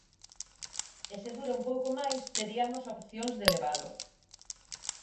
E se dura un pouco máis teriamos opcións de levalo.